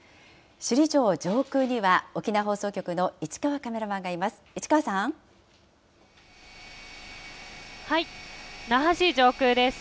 首里城上空には、沖縄放送局の市川カメラマンがいます。